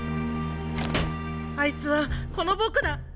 あいつはこの僕だ。